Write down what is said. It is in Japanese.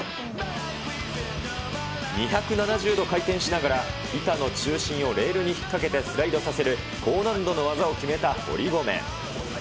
２７０度回転しながら、板の中心をレールに引っ掛けてスライドさせる、高難度の技を決めた堀米。